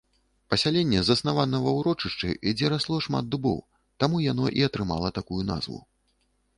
Пасяленне заснавана ва ўрочышчы, дзе расло шмат дубоў, таму яно і атрымала такую назву.